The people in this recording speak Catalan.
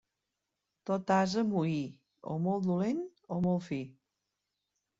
Tot ase moí, o molt dolent o molt fi.